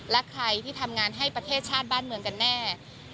และใครที่ทำงานให้ประเทศชาติบ้านเมืองกันแน่